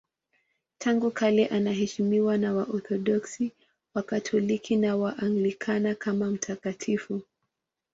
Tangu kale anaheshimiwa na Waorthodoksi, Wakatoliki na Waanglikana kama mtakatifu.